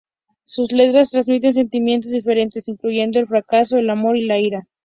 Sus letras transmiten sentimientos diferentes, incluyendo el fracaso, el amor y la ira.